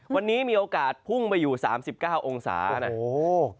วันนี้มีโอกาสพุ่งไปอยู่๓๙องศานะ